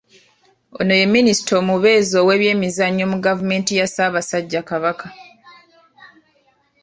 Ono ye minista omubeezi ow’ebyemizannyo mu gavumenti ya Ssaabasajja Kabaka.